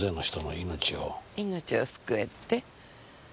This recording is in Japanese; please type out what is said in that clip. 命を救えって？